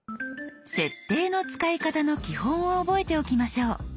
「設定」の使い方の基本を覚えておきましょう。